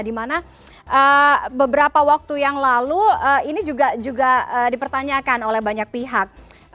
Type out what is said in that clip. dimana beberapa waktu yang lalu ini juga dipertanyakan oleh banyak pihak